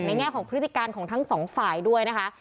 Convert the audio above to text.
แง่ของพฤติการของทั้งสองฝ่ายด้วยนะคะ